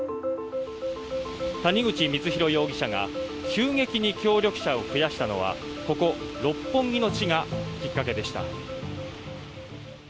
谷口光弘容疑者が急激に協力者を増やしたのはここ、六本木の地がきっかけでした。